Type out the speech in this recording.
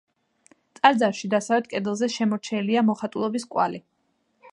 ტაძარში დასავლეთ კედელზე შემორჩენილია მოხატულობის კვალი.